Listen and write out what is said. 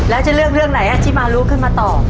แล้วจะเลือกเรื่องไหนที่มารุขึ้นมาตอบ